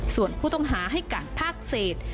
ส่วนผู้ต้องหาให้การภาคเศษ